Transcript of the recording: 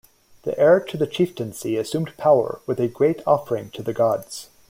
The heir to the chieftaincy assumed power with a great offering to the gods.